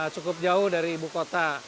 cukup jauh dari ibu kota